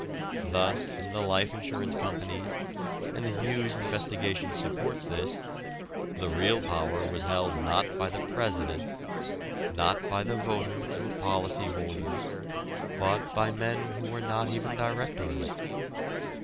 Thus in the life insurance companies, and the Hughes investigation supports this, the real power was held not by the president, not by the voters or policy holders, but by men who were not even directors.